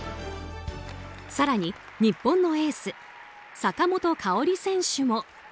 更に、日本のエース坂本花織選手も。